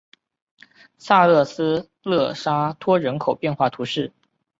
萨勒斯勒沙托人口变化图示